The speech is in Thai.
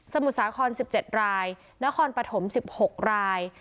สมุดสาขอน๑๗รายนครปฐม๑๖ราย